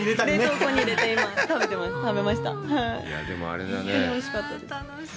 本当においしかったです。